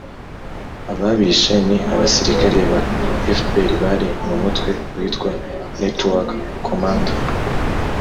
ababishe ni abasirikari ba fpr bari mu mutwe witwa network commando